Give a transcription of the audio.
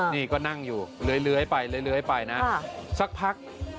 นี่ก็นั่งอยู่เร้ยไปไปนะสักพัก